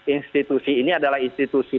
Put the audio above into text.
institusi ini adalah institusi